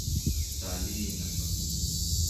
talineq